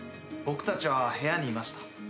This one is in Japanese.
僕たちは部屋にいました。